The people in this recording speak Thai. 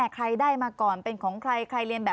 กระด่ามาเยอะค่ะ